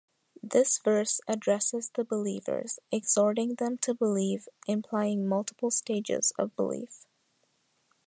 This verse addresses the believers, exhorting them to believe, implying multiple stages of belief.